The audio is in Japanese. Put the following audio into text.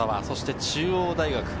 そして中央大学。